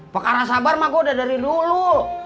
pekara sabar mah gue udah dari dulu